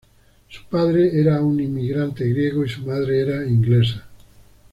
Su padre era un inmigrante griego y su madre era inglesa.